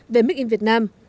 về mix in việt nam